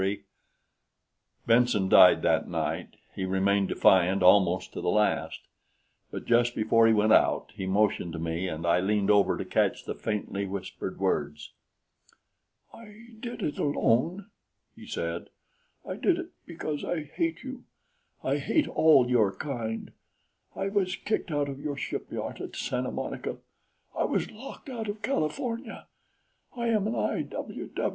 Benson died that night. He remained defiant almost to the last; but just before he went out, he motioned to me, and I leaned over to catch the faintly whispered words. "I did it alone," he said. "I did it because I hate you I hate all your kind. I was kicked out of your shipyard at Santa Monica. I was locked out of California. I am an I.